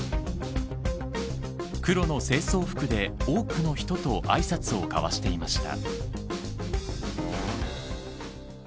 黒の正装服で多くの人とあいさつを交わしていました。